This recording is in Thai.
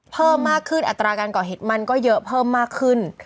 เพิ่มมากขึ้นอัตราการก่อเหตุมันก็เยอะเพิ่มมากขึ้น